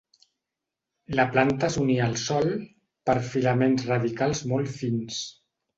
La planta s'unia al sòl per filaments radicals molt fins.